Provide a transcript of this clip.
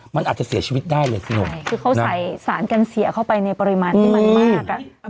มันอาจจะเสียชีวิตได้เลยพี่หนุ่มใช่คือเขาใส่สารกันเสียเข้าไปในปริมาณที่มันมากอ่ะ